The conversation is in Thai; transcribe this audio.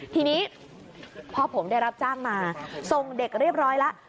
ทีนี้พอผมได้รับจ้างมาส่งเด็กเรียบร้อยแล้ว